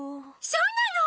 そうなの！？